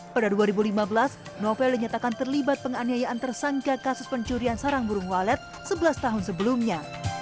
pada dua ribu lima belas novel dinyatakan terlibat penganiayaan tersangka kasus pencurian sarang burung walet sebelas tahun sebelumnya